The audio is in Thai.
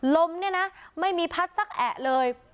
ลมเนี่ยนะไม่มีพัดสักแอะเลย